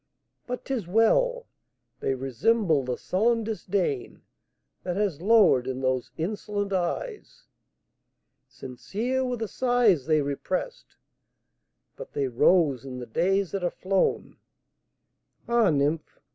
But 't is well!—they resemble the sullen disdainThat has lowered in those insolent eyes. Sincere were the sighs they represt, But they rose in the days that are flown! Ah, nymph!